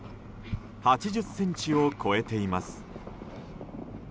８０ｃｍを超えています。